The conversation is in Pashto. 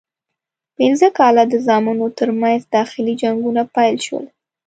پنځه کاله د زامنو ترمنځ داخلي جنګونه پیل شول.